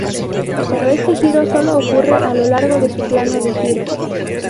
Pero este giro solo ocurre a lo largo de su plano de giro.